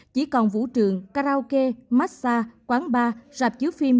chỉ còn vũ trường karaoke massage quán bar rạp chứa phim